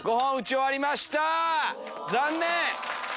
残念！